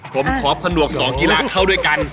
ผมขอผนวก๒กีฬาเข้าด้วยกัน